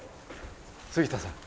杉田さん。